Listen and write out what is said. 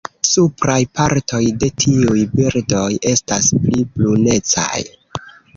Supraj partoj de tiuj birdoj estas pli brunecaj.